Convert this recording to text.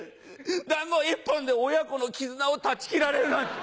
団子１本で親子の絆を断ち切られるなんて。